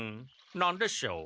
何でしょう？